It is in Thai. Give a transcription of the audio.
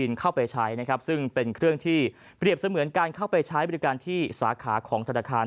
เข้าไปใช้นะครับซึ่งเป็นเครื่องที่เปรียบเสมือนการเข้าไปใช้บริการที่สาขาของธนาคาร